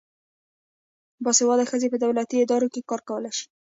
باسواده ښځې په دولتي ادارو کې کار کولای شي.